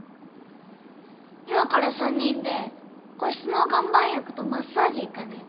今から３人で個室の岩盤浴とマッサージ行かねぇ？